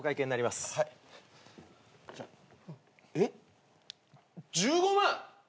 えっ１５万！？